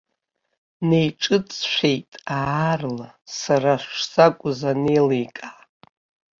Неиҿыҵшәеит аарла, сара шсакәыз анеиликаа.